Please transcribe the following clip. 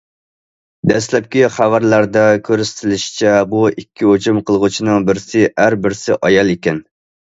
دەسلەپكى خەۋەرلەردە كۆرسىتىلىشىچە، بۇ ئىككى ھۇجۇم قىلغۇچىنىڭ بىرسى ئەر بىرسى ئايال ئىكەن.